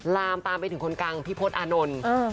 ลามตามไปถึงคนกลางพี่พศอานนท์